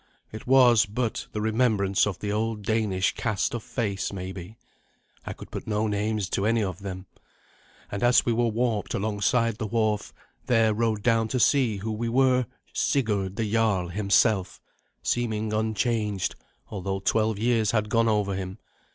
It was but the remembrance of the old Danish cast of face, maybe. I could put no names to any of them. And as we were warped alongside the wharf, there rode down to see who we were Sigurd the jarl himself, seeming unchanged, although twelve years had gone over him.